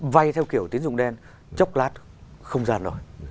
vay theo kiểu tín dụng đen chốc lát không gian rồi